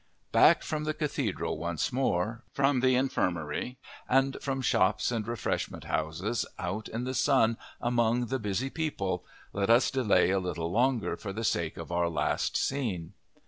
Back from the cathedral once more, from the infirmary, and from shops and refreshment houses, out in the sun among the busy people, let us delay a little longer for the sake of our last scene.